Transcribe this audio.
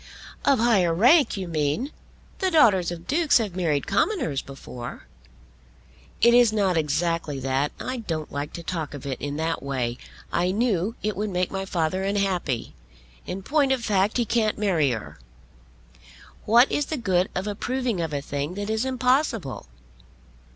"Of higher rank you mean. The daughters of Dukes have married commoners before." "It is not exactly that. I don't like to talk of it in that way. I knew it would make my father unhappy. In point of fact he can't marry her. What is the good of approving of a thing that is impossible?"